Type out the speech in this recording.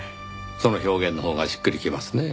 その表現のほうがしっくりきますね。